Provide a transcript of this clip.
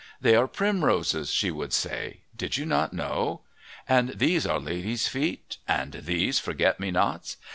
"These are primroses," she would say. "Did you not know? And these are ladies' feet, and these forget me nots.